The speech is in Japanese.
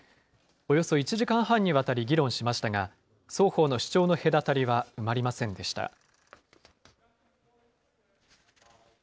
およそ１時間半にわたり議論しましたが、双方の主張の隔たりは埋まりませんでした。